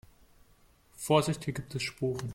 Vorsicht, hier gibt es Sporen.